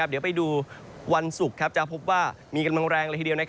เดี๋ยวไปดูวันศุกร์จะพบว่ามีกำลังแรงเลยทีเดียว